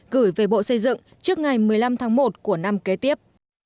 gửi về bộ xây dựng trước ngày một mươi năm tháng một của năm kế tiếp